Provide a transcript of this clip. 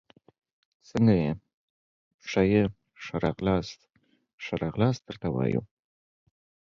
څنګه يي ، ښه يم، ښه راغلاست ، ښه راغلاست درته وایو